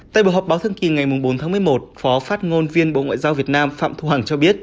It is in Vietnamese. tại buổi họp báo thương kỳ ngày bốn tháng một mươi một phó phát ngôn viên bộ ngoại giao việt nam phạm thu hằng cho biết